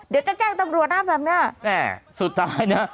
เดี๋ยวจะแจ้งตำรวจนะแบบเนี้ยแม่สุดท้ายนะ